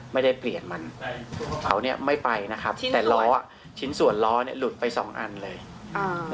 ไม่ไปนะครับแต่ล้อชิ้นส่วนล้อเนี่ยหลุดไปสองอันเลยอ่า